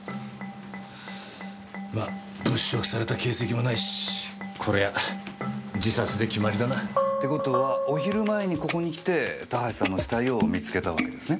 ま物色された形跡もないしこりゃ自殺で決まりだな。って事はお昼前にここに来て田橋さんの死体を見つけたわけですね？